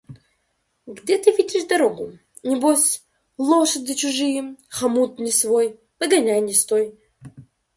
– Где ты видишь дорогу? Небось: лошади чужие, хомут не свой, погоняй не стой.